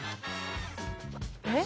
えっ？